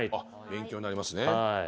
勉強になりますね。